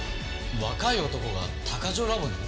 若い男が鷹城ラボに？